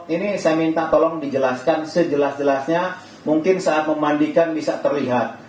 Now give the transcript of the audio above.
ini saya minta tolong dijelaskan sejelas jelasnya mungkin saat memandikan bisa terlihat